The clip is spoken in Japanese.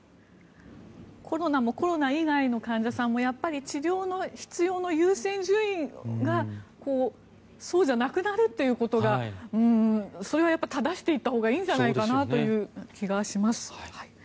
コロナもコロナ以外の患者さんも治療の必要の優先順位がそうじゃなくなるということがそれはやっぱり正していったほうがいいんじゃないかなという気がします。